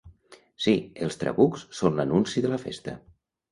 Sí, els trabucs són l’anunci de la festa.